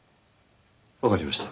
わかりました。